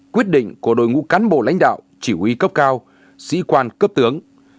quyết định của đội ngũ cán bộ lãnh đạo chỉ huy cấp cao sĩ quan cấp tướng